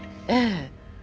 ええ。